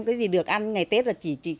cái gì được ăn ngày tết là chỉ